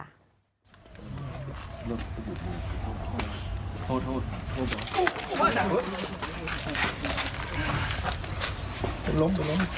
มันล้ม